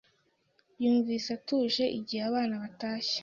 Yumvise atuje igihe abana batashye.